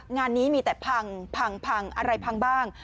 งานนี้มีแต่พังพังอะไรพังบ้าง